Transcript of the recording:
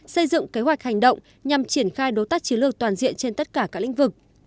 xây dựng kế hoạch hành động nhằm triển khai đối tác chiến lược toàn diện trên tất cả các lĩnh vực